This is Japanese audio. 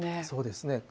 そうですね。